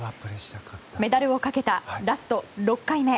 メダルをかけたラスト６回目。